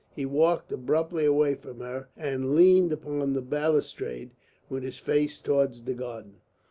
He walked abruptly away from her and leaned upon the balustrade with his face towards the garden.